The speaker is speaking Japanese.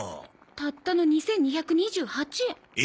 たったの２２２８円。え？